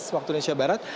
waktu indonesia barat